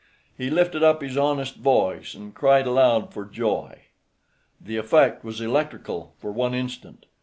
He lifted up his honest voice and cried aloud for joy. The effect was electrical for one instant.